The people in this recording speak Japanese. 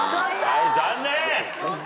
はい残念。